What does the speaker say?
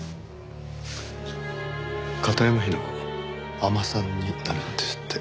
片山雛子尼さんになるんですって。